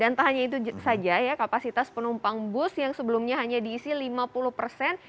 dan tak hanya itu saja kapasitas penumpang bus yang sebelumnya hanya diisi lima puluh persen